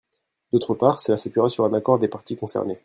D’autre part, cela s’appuiera sur un accord des parties concernées.